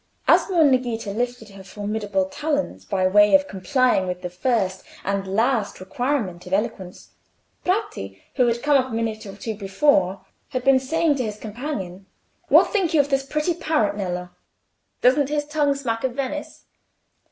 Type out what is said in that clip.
As Monna Ghita lifted her formidable talons by way of complying with the first and last requisite of eloquence, Bratti, who had come up a minute or two before, had been saying to his companion, "What think you of this pretty parrot, Nello? Doesn't his tongue smack of Venice?"